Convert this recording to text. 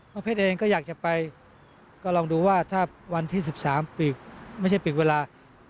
เพชรเองก็อยากจะไปก็ลองดูว่าถ้าวันที่๑๓ปีไม่ใช่ปีกเวลา